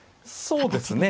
そうですね。